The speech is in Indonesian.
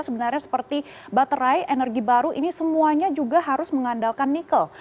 sebenarnya seperti baterai energi baru ini semuanya juga harus mengandalkan nikel